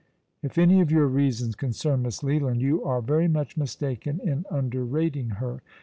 " If any of your reasons concern Miss Leland you are very much mistaken in under rating her.